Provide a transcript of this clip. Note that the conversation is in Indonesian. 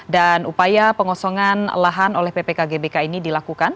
dan upaya pengosongan lahan oleh ppk gbk ini dilakukan